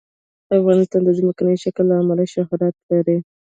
افغانستان د ځمکنی شکل له امله شهرت لري.